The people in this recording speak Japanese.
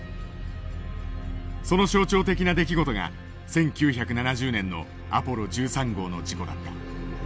その象徴的な出来事が１９７０年のアポロ１３号の事故だった。